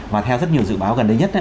và theo rất nhiều dự báo gần đây nhất